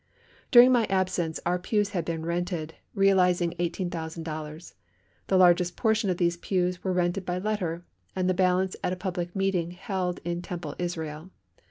During my absence our pews had been rented, realising $18,000. The largest portion of these pews were rented by letter, and the balance at a public meeting held in Temple Israel.